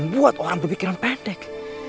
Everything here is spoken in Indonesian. membuat orang berpikiran pendek